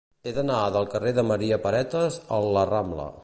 He d'anar del carrer de Maria Paretas al la Rambla.